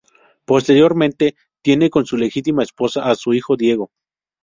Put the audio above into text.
Posteriormente tiene con su legítima esposa a su hijo Diego.